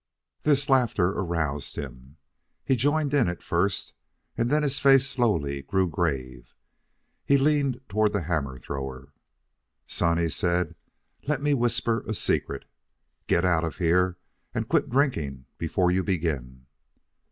This laughter aroused him. He joined in it at first, and then his face slowly grew grave. He leaned toward the hammer thrower. "Son," he said, "let me whisper a secret. Get out of here and quit drinking before you begin."